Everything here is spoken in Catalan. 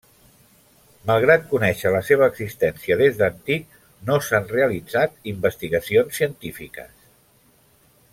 Malgrat conèixer la seva existència des d'antic, no s'han realitzat investigacions científiques.